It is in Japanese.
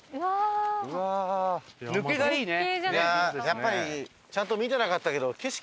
やっぱりちゃんと見てなかったけど景色